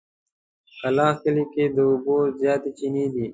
کلاخ کلي کې د اوبو زياتې چينې دي.